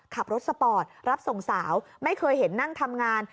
ขับรถสปอร์ตรับส่งสาวไม่เคยเห็นนั่งทำงาน